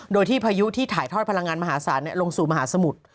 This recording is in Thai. โดยที่พายุที่ถ่ายทอดพลังงานมหาศาลลงสู่มหาสมุทร